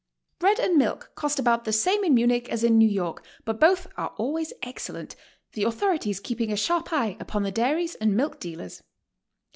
Bread and milk cost about the same in Munich as in New York, but both are always excellent, the authorities keeping a sharp eye upon the dairies and milk dealers.